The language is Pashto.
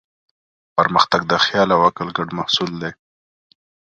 پرمختګ د خیال او عقل ګډ محصول دی.